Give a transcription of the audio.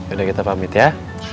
udah kita pamit ya